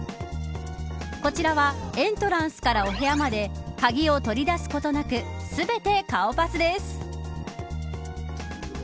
こちらはエントランスからお部屋まで鍵を取り出すことなく全て顔パスです。